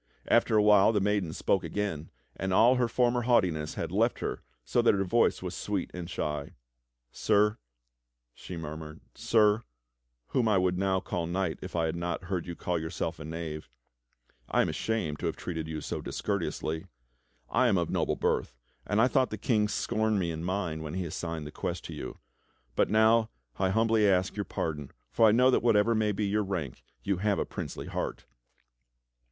After a wLile the maiden spoke again, and all her former haughtiness had left her so that her voice was sw'eet and shy: "Sir," she murmured, "Sir — wdiom I w'ould now call knight if I GARETH THE KITCHEN KNAVE 49 had not heard you call yourself a knave — I am ashamed to have treated you so discourteously. I am of noble birth, and I thought the King scorned me and mine when he assigned the quest to you. But now I humbly ask your pardon, for I know that whatever may be your rank, you have a princely heart."